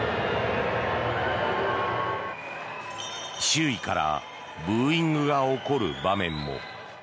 周囲からブーイングが起こる場面も。